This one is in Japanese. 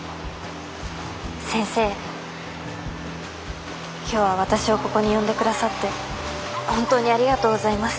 先生今日は私をここに呼んでくださって本当にありがとうございます。